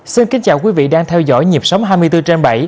xin kính chào quý vị đang theo dõi nhịp sống hai mươi bốn trên bảy